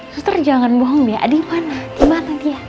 suster jangan bohong ya adi mana dimana dia